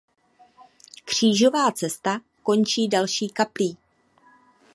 Křížová cesta končí další kaplí.